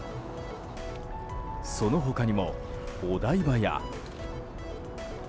その他にも、お台場や。